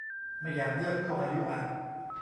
ไม่อยากเลือกช่วงอายุอะ